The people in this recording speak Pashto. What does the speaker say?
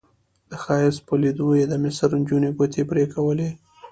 د ښایست په لیدو یې د مصر نجونو ګوتې پرې کولې.